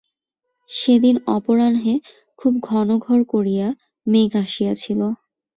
সেদিন অপরাহ্নে খুব ঘনঘোর করিয়া মেঘ আসিয়াছিল।